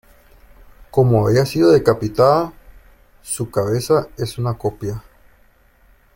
Como había sido decapitada, su cabeza es una copia.